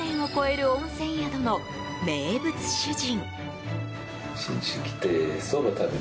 ７０年を超える温泉宿の名物主人。